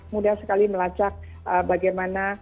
mudah sekali melacak bagaimana